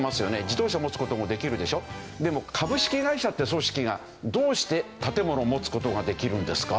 でも株式会社って組織がどうして建物を持つ事ができるんですか？